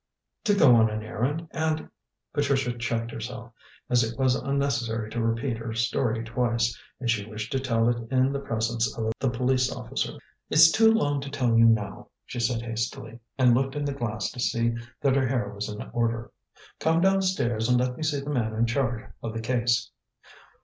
"To go on an errand, and" Patricia checked herself, as it was unnecessary to repeat her story twice, and she wished to tell it in the presence of the police officer. "It's too long to tell you now," she said hastily, and looked in the glass to see that her hair was in order. "Come downstairs, and let me see the man in charge of the case."